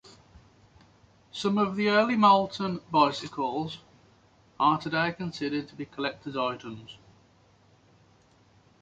Some of the early Moulton bicycles are today considered to be collectors' items.